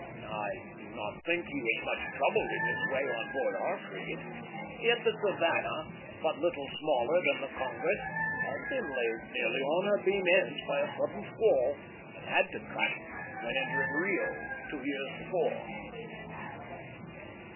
I do not think he was much troubled in this way on board our frigate; yet the Savannah, but little smaller than the Congress, had been laid nearly on her beam ends by a sudden squall, and had to cut, when entering Rio two years before.